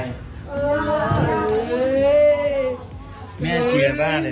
หนูก็ตามจากพี่เก่งไง